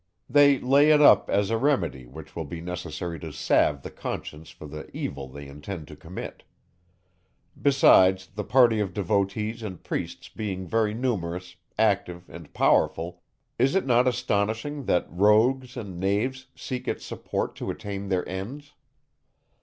They lay it up, as a remedy, which will be necessary to salve the conscience for the evil they intend to commit. Besides, the party of devotees and priests being very numerous, active, and powerful, is it not astonishing, that rogues and knaves seek its support to attain their ends?